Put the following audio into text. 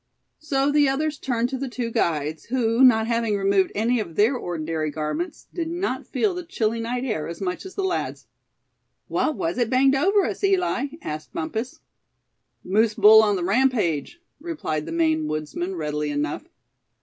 So the others turned to the two guides, who, not having removed any of their ordinary garments, did not feel the chilly night air as much as the lads. "What was it banged us over, Eli?" asked Bumpus. "Moose bull on the rampage!" replied the Maine woodsman, readily enough.